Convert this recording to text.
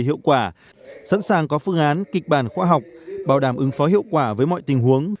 hiệu quả sẵn sàng có phương án kịch bản khoa học bảo đảm ứng phó hiệu quả với mọi tình huống